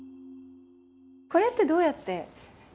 これって、どうやって。